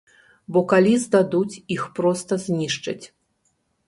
Бо калі здадуць, іх проста знішчаць.